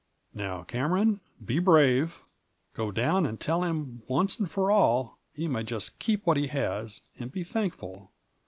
" Now, Cameron, be brave ; go down and tell him once for all he may just keep what he has, and be thankful.